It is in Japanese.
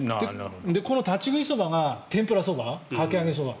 この立ち食いそばが天ぷらそば、かき揚げそば